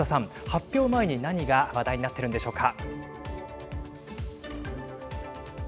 発表前に何が話題になってるんでしょうか。